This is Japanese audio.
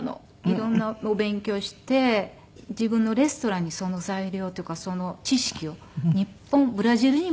色んなお勉強して自分のレストランにその材料っていうかその知識をブラジルに持っていく。